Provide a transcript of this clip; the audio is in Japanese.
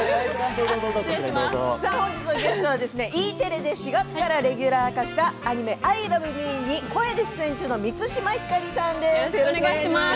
本日のゲストはＥテレで４月からレギュラー化したアニメ「アイラブみー」に声で出演中の満島ひかりさんです。